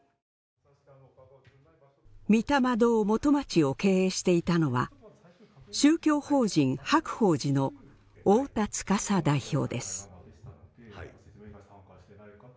御霊堂元町を経営していたのは宗教法人白鳳寺の太田司代表です。